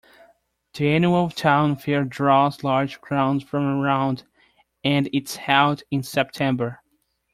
The annual town fair draws large crowds from around, and is held in September.